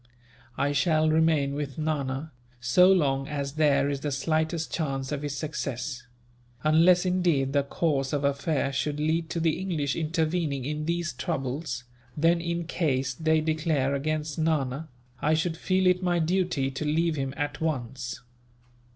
"I shall remain with Nana, so long as there is the slightest chance of his success; unless, indeed, the course of affairs should lead to the English intervening in these troubles; then, in case they declare against Nana, I should feel it my duty to leave him at once."